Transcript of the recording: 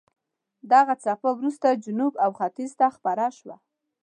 دغه څپه وروسته جنوب او ختیځ ته خپره شوه.